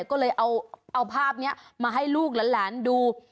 ก็เลยเอาภาพนี้มาให้ลูกหลานดู